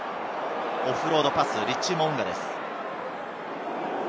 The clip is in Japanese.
オフロードパスはリッチー・モウンガです。